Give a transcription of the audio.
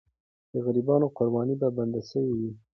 د غریبانو قرباني به بنده سوې وي.